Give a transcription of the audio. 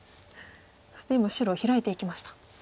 そして今白ヒラいていきました。